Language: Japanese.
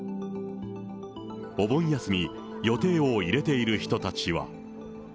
お盆休み、予定を入れている人たちは。